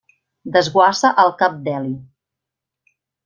Desguassa al cap Deli.